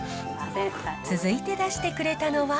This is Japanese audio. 続いて出してくれたのは。